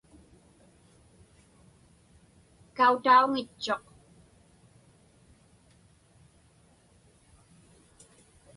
Kautauŋitchuq.